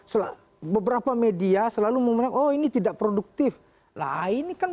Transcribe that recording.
saya sepakat dengan kak ican